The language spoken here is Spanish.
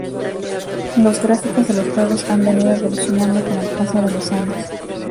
Los gráficos de los juegos han venido evolucionando con el paso de los años.